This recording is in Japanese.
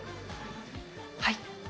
「はい」。